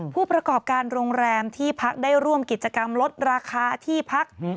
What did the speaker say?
ผู้ประกอบการโรงแรมที่พักได้ร่วมกิจกรรมลดราคาที่พัก